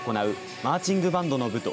マーチングバンドの部と